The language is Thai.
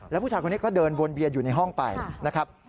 แล้วผู้ชายคนนี้ก็เดินวนเวียนอยู่ในห้องไปนะครับ